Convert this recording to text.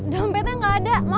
dompetnya gak ada